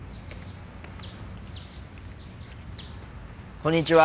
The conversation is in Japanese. こんにちは。